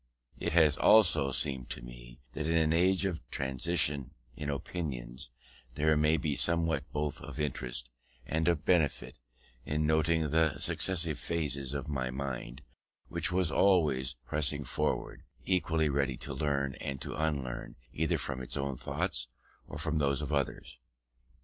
It has also seemed to me that in an age of transition in opinions, there may be somewhat both of interest and of benefit in noting the successive phases of any mind which was always pressing forward, equally ready to learn and to unlearn either from its own thoughts or from those of others.